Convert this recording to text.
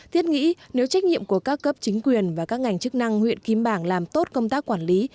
thiết nghĩ nếu trách nhiệm của các cấp chính quyền và các ngành chức năng huyện kim bảng làm tốt công tác quản lý